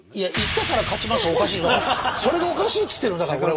それがおかしいっつってるのだから俺は。